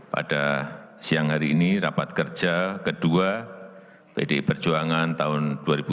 pada siang hari ini rapat kerja ke dua pdi perjuangan tahun dua ribu dua puluh satu dua ribu dua puluh dua